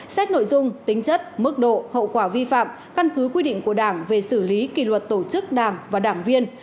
xét nội dung tính chất mức độ hậu quả vi phạm căn cứ quy định của đảng về xử lý kỷ luật tổ chức đảng và đảng viên